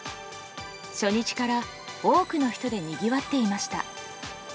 初日から多くの人でにぎわっていました。